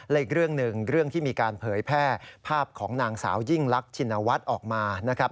อีกเรื่องหนึ่งเรื่องที่มีการเผยแพร่ภาพของนางสาวยิ่งลักชินวัฒน์ออกมานะครับ